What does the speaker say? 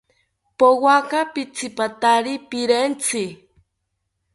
Powaka pitzipatari pirentzi